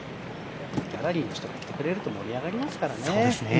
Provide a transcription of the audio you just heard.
ギャラリーの人がいてくれると盛り上がりますからね。